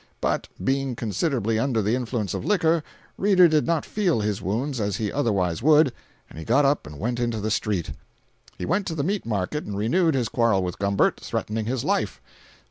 But being considerably under the influence of liquor, Reeder did not feel his wounds as he otherwise would, and he got up and went into the street. He went to the meat market and renewed his quarrel with Gumbert, threatening his life.